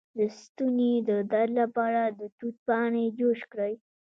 د ستوني د درد لپاره د توت پاڼې جوش کړئ